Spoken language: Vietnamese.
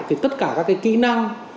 thì tất cả các cái kỹ năng